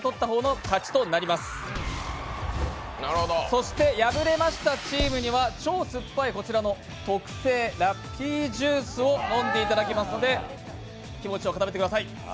そして、敗れましたチームには超すっぱいこちらの特製ラッピージュースを飲んでいただきますので気持ちよく食べてください。